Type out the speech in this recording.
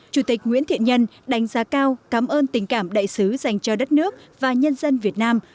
chủ tịch nguyễn thiện nhân đánh giá cao cảm ơn tình cảm đại sứ dành cho đất nước và nhân dân việt nam